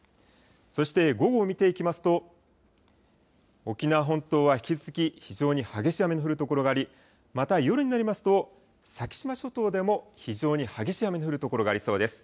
そして午後を見ていきますと、沖縄本島は引き続き非常に激しい雨の降る所があり、また夜になりますと、先島諸島でも非常に激しい雨の降る所がありそうです。